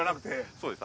そうです。